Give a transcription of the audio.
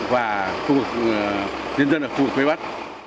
và nhân dân ở khu vực vây bắt